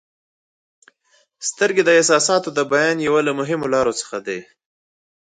• سترګې د احساساتو د بیان یوه له مهمو لارو څخه دي.